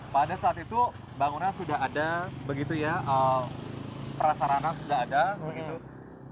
pada saat itu bangunan sudah ada begitu ya prasarana sudah ada begitu